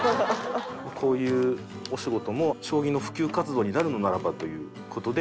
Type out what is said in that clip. こういうお仕事も将棋の普及活動になるのならばという事で。